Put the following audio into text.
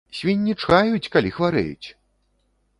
Свінні чхаюць, калі хварэюць!